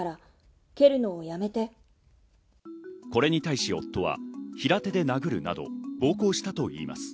これに対し夫は平手で殴るなど暴行したといいます。